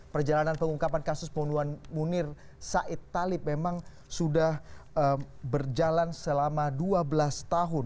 perjalanan pengungkapan kasus pembunuhan munir said talib memang sudah berjalan selama dua belas tahun